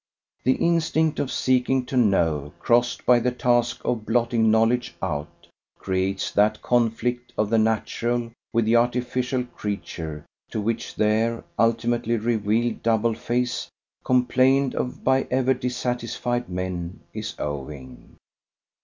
The instinct of seeking to know, crossed by the task of blotting knowledge out, creates that conflict of the natural with the artificial creature to which their ultimately revealed double face, complained of by ever dissatisfied men, is owing.